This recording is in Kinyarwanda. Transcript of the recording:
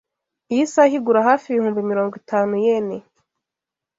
Iyi saha igura hafi ibihumbi mirongo itanu yen.